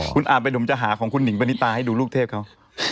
คุณอาจไปดมจหาของคุณนิ่งบรรณิตาให้ดูลูกเทพเขา